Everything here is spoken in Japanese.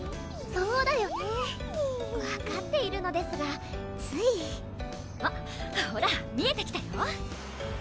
そうだよね分かっているのですがついあっほら見えてきたよ